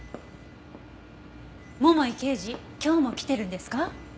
桃井刑事今日も来てるんですか？